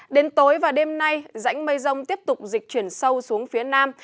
đến tối và đêm nay rãnh mây rông tiếp tục dịch chuyển sâu xuống phía nam